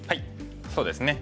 そうですね。